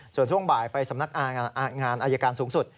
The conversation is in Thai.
ส่วนช่วงบ่ายไปสำนักงานอายการสูงสุด